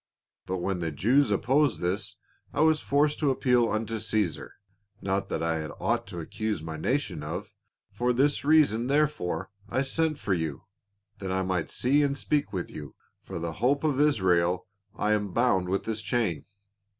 But when the Jews opposed this, I was forced to appeal unto Csesar — not that I had aught to accuse my nation of. For this reason therefore I sent for you, that I might see and speak with you. For the hope of Israel I am bound with this chain."